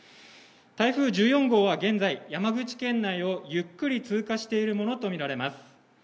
台風１４号は現在、山口県内をゆっくり通過しているものとみられます。